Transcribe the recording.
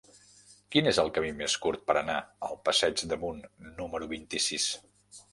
Quin és el camí més curt per anar al passeig d'Amunt número vint-i-sis?